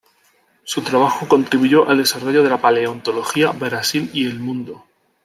Su trabajo contribuyó al desarrollo de la paleontología Brasil y el mundo.